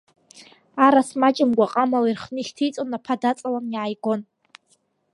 Арас маҷымкәа ҟамала ирхны ишьҭеиҵон, аԥа даҵаланы иааигон.